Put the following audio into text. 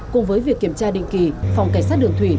cùng với việc kiểm tra định kỳ phòng cảnh sát đường thủy